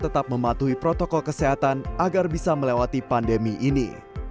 tetap mematuhi protokol kesehatan agar bisa melewati pandemi ini